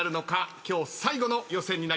今日最後の予選になります。